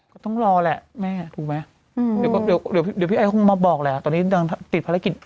ก็ต้องรอแหละแม่ถูกไหมเดี๋ยวพี่ไอ้คงมาบอกแหละตอนนี้ติดภารกิจ